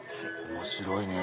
面白いね。